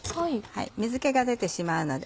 水気が出てしまうので。